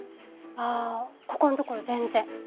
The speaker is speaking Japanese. あぁここんところ全然。